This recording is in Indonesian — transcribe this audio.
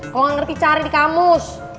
kalo gak ngerti cari di kamus